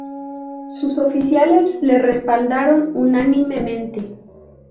Sus oficiales le respaldaron unánimemente.